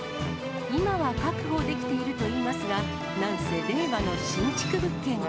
今は確保できているといいますが、何せ令和の新築物件。